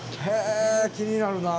へえ、気になるな。